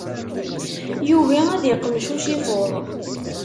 Yugi ad iqmec ucifuḍ.